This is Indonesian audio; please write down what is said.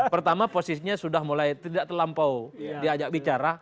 pertama posisinya sudah mulai tidak terlampau diajak bicara